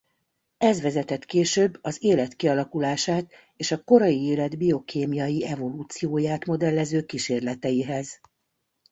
Ez vezetett később az élet kialakulását és a korai élet biokémiai evolúcióját modellező kísérleteihez.